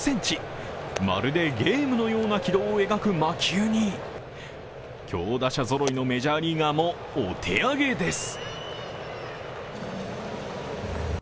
まるでゲームのような軌道を描く魔球に強打者ぞろいのメジャーリーガーもお手上げです。